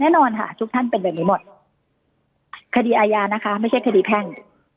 แน่นอนค่ะทุกท่านเป็นแบบนี้หมดคดีอาญานะคะไม่ใช่คดีแพ่ง